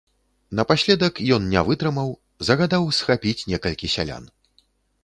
Напаследак ён не вытрымаў, загадаў схапіць некалькі сялян.